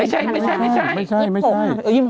หยิบหรอกถ่านวา